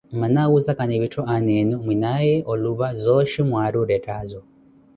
Mmana awuzakani vitthu aana enu, mwinaaye olupa zooxhi mwaari orettaazo.